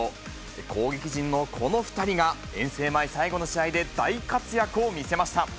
攻撃陣のこの２人が、遠征前最後の試合で大活躍を見せました。